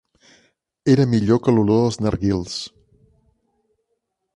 Era millor que l'olor dels narguils.